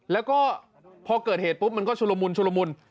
แล้วก็พอเกิดเหตุปุ๊บมันก็ชุระมุน